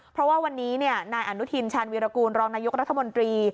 เพราะว่าวันนี้นายอนุทินชาญวีรกูลรองนายกรัฐมนตรี